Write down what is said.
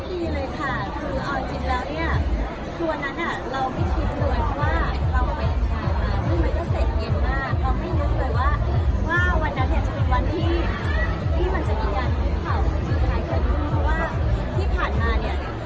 แต่ว่าแล้วแต่ว่าก็มีจริงหลัก